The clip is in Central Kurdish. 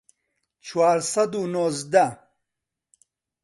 چوار سەد و نۆزدە